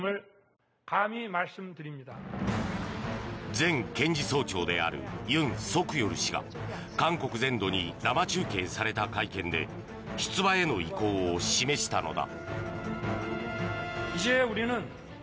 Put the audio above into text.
前検事総長であるユン・ソクヨル氏が韓国全土に生中継された会見で出馬への意向を示したのだ。